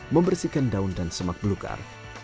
membersihkan daun dan semak belukar